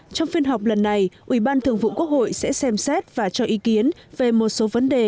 trong phiên họp lần này ủy ban thường vụ quốc hội sẽ xem xét và cho ý kiến về một số vấn đề